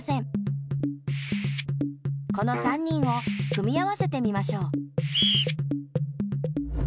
この３人を組み合わせてみましょう。